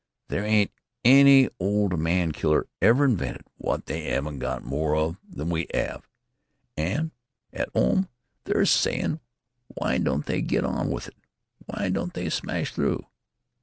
They ain't any little old man killer ever invented wot they 'aven't got more of than we 'ave. An' at 'ome they're a s'yin', 'W'y don't they get on with it? W'y don't they smash through?'